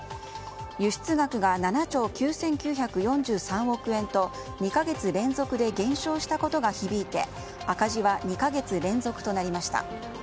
輸出額が７兆９９４３億円と２か月連続で減少したことが響いて赤字は２か月連続となりました。